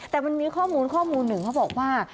แต่มันมีข้อมูลข้อมูลหนึ่งเขาบอกว่า